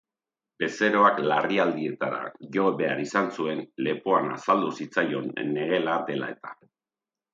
Bezeroak larrialdietara jo behar izan zuen, lepoan azaldu zitzaion negela dela eta.